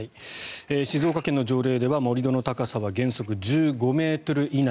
静岡県の条例では盛り土の高さは原則１５ｍ以内。